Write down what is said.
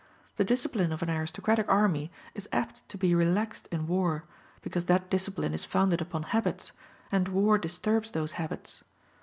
The discipline of an aristocratic army is apt to be relaxed in war, because that discipline is founded upon habits, and war disturbs those habits.